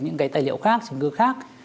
những cái tài liệu khác chứng cứ khác